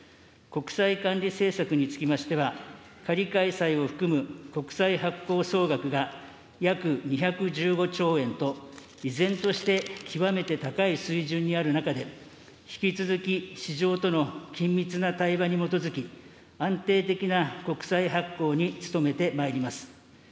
国債管理政策につきましては、借換債を含む国債発行総額が約２１５兆円と、依然として極めて高い水準にある中で、引き続き市場との緊密な対話に基づき、安定的な国債発行に努めてまいります。